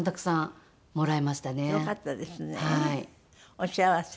お幸せ？